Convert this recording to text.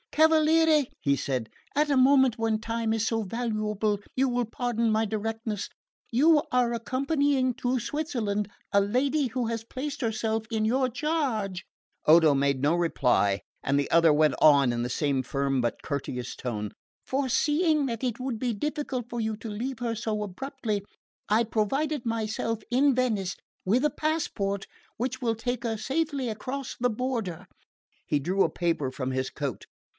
"Cavaliere," he said, "at a moment when time is so valuable you will pardon my directness. You are accompanying to Switzerland a lady who has placed herself in your charge " Odo made no reply, and the other went on in the same firm but courteous tone: "Foreseeing that it would be difficult for you to leave her so abruptly I provided myself, in Venice, with a passport which will take her safely across the border." He drew a paper from his coat.